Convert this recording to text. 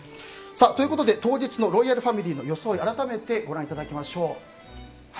ということで、当日のロイヤルファミリーの装いを改めてご覧いただきましょう。